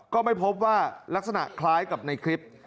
ก็ไม่พบว่าลักษณะคล้ายกับในคลิป